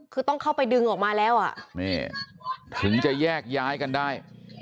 คือต้องเข้าไปดึงออกมาแล้วอ่ะนี่ถึงจะแยกย้ายกันได้